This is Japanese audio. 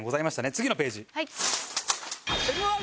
次のページ。